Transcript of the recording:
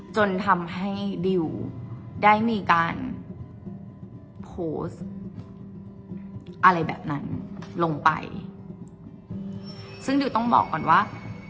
จนทำให้ดิวได้มีการโพสต์อะไรแบบนั้นลงไปซึ่งดิวต้องบอกก่อนว่า